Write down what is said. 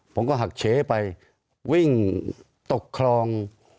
ผมก็หักเชไปวิ่งตกคลอง